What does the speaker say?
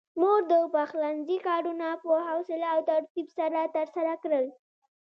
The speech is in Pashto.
مور د پخلنځي کارونه په حوصله او ترتيب سره ترسره کړل.